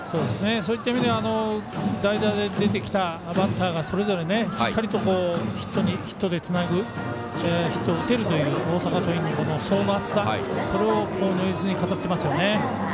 そういった意味では代打で出てきたバッターがそれぞれしっかりとヒットでつなぐヒットを打てるという大阪桐蔭の層の厚さ、それを如実に語ってますよね。